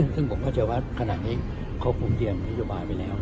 ซึ่งผมก็เจอว่าขนาดนี้เขาฟูมเตียงนโยบายไปแล้ว